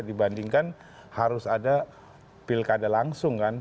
dibandingkan harus ada pilkada langsung kan